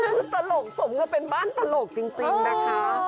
คือตลกสมกันเป็นบ้านตลกจริงนะคะ